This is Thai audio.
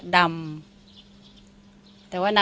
ขอบคุณทุกคน